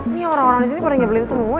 ini orang orang disini pada ngebelin semua